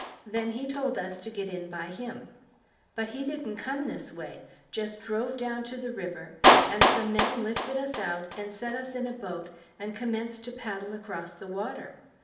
Then he told us to get in by him. But he didn't come this way, just drove down to the river and some men lifted us out and set us in a boat and commenced to paddle across the water.